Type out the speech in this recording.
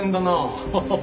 ハハハハ。